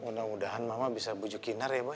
mudah mudahan mama bisa bujuk kinar ya boy